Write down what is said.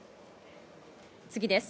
次です。